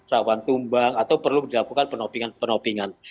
rawan tumbang atau perlu dilakukan penopingan penopingan